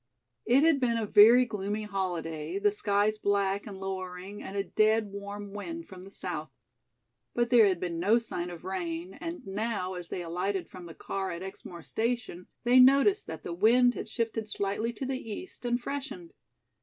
It had been a very gloomy holiday, the skies black and lowering and a dead, warm wind from the south. But there had been no sign of rain, and now, as they alighted from the car at Exmoor station, they noticed that the wind had shifted slightly to the east and freshened.